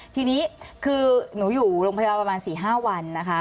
ทีนี้คือหนูอยู่โรงพยาบาลประมาณ๔๕วันนะคะ